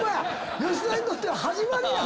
吉田にとっては始まりやな！